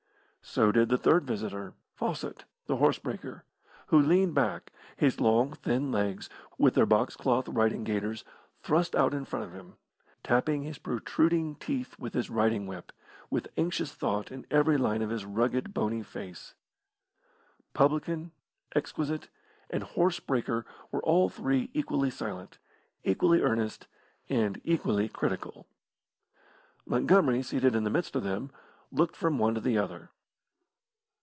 So did the third visitor, Fawcett, the horse breaker, who leaned back, his long, thin legs, with their boxcloth riding gaiters, thrust out in front of him, tapping his protruding teeth with his riding whip, with anxious thought in every line of his rugged, bony face. Publican, exquisite, and horse breaker were all three equally silent, equally earnest, and equally critical. Montgomery seated in the midst of them, looked from one to the other.